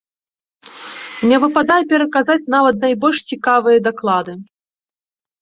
Не выпадае пераказаць нават найбольш цікавыя даклады.